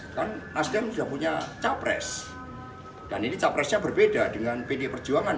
kan nasdem sudah punya capres dan ini capresnya berbeda dengan pd perjuangan